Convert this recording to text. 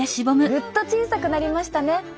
ぐっと小さくなりましたね。